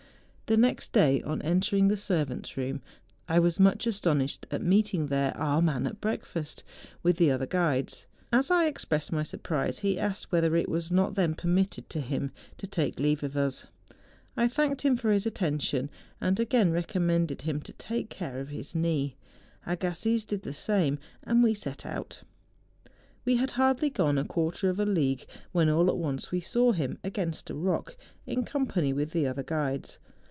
The next day, on entering the ser¬ vants' room, I was much astonished at meeting there our man at breakfast, with the other guides. As I expressed my surprise, he asked whether it was not then permitted to him to take leave of us. I thanked him for his attention, and again recom¬ mended him to take care of his knee; Agassiz did the same, and we set out. We had hardly gone a quarter of a league, when all at once we saw him, against a rock, in company with the other guides.